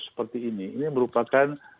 seperti ini ini merupakan